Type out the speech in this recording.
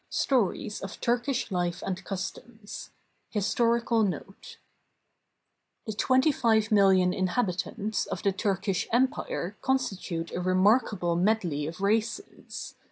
V STORIES OF TURKISH LIFE AND CUSTOMS HISTORICAL NOTE The 25,000,000 inhabitants of the Turkish Empire consti tute a remarkable medley of races.